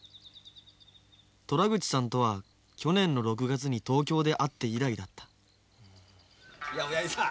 虎口さんとは去年の６月に東京で会って以来だったいやおやじさん